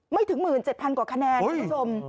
ไม่ถึง๑๗๐๐กว่าคะแนนคุณผู้ชม